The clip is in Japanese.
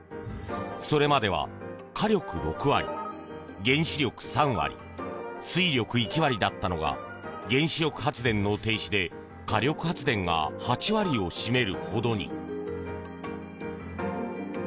それまでは火力６割、原子力３割水力１割だったのが原子力発電の停止で火力発電が８割を占めるほどに。